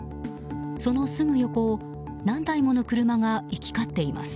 そのすぐ横を何台もの車が行き交っています。